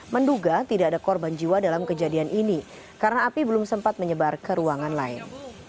menduga tidak ada korban jiwa dalam kejadian ini karena api belum sempat menyebar ke ruangan lain